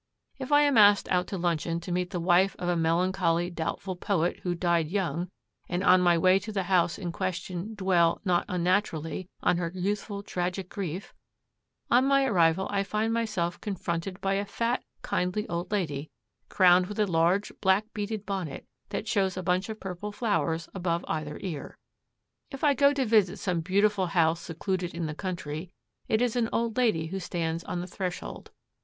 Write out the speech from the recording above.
If I am asked out to luncheon to meet the wife of a melancholy doubtful poet who died young, and on my way to the house in question dwell, not unnaturally, on her youthful tragic grief, on my arrival I find myself confronted by a fat, kindly old lady, crowned with a large black beaded bonnet that shows a bunch of purple flowers above either ear. If I go to visit some beautiful house secluded in the country, it is an old lady who stands on the threshold.